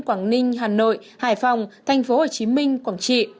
quảng ninh hà nội hải phòng tp hcm quảng trị